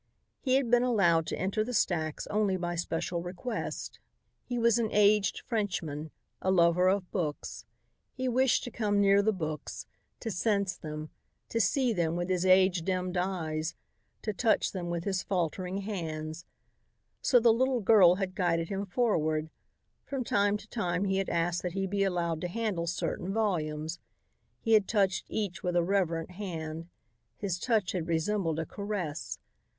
He had been allowed to enter the stacks only by special request. He was an aged Frenchman, a lover of books. He wished to come near the books, to sense them, to see them with his age dimmed eyes, to touch them with his faltering hands. So the little girl had guided him forward. From time to time he had asked that he be allowed to handle certain volumes. He had touched each with a reverent hand. His touch had resembled a caress.